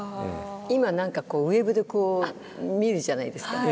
今何かウェブで見るじゃないですか。